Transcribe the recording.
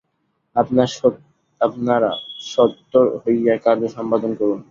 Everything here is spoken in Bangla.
আপনারা সত্বর হইয়া কার্য সম্পাদন করুন।